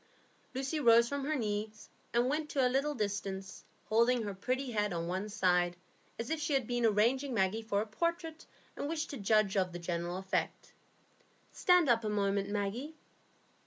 Lucy rose from her knees and went to a little distance, holding her pretty head on one side, as if she had been arranging Maggie for a portrait, and wished to judge of the general effect. "Stand up a moment, Maggie."